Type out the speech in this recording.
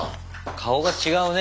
顔が違うね。